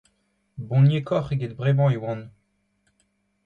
Boniekoc'h eget bremañ e oan.